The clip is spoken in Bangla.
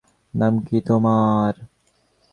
নাম কি তোমার?